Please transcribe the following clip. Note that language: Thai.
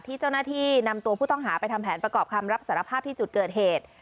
ที่เจ้าหน้าที่นำตัวผู้ต้องหาไปทำแผนประกอบคำรับสารภาพที่จุดเกิดเหตุ